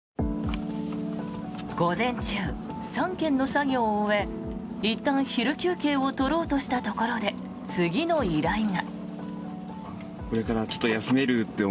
午前中、３件の作業を終えいったん昼休憩を取ろうとしたところで次の依頼が。